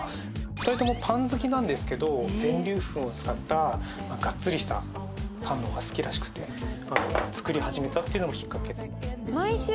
２人ともパン好きなんですけど全粒粉を使ったがっつりしたパンの方が好きらしくて作り始めたっていうのがきっかけ。